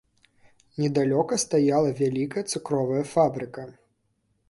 Недалёка стаяла вялікая цукровая фабрыка.